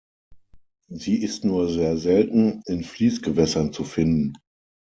Sie ist nur sehr selten in Fließgewässern zu finden.